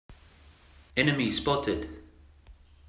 Enemy spotted!